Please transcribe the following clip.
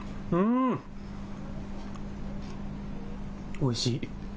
おいしい。